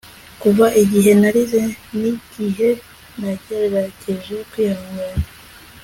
kuva igihe narize n'igihe nagerageje kwihangana